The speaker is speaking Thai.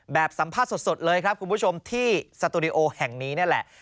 สัมภาษณ์สดเลยครับคุณผู้ชมที่สตูดิโอแห่งนี้นี่แหละ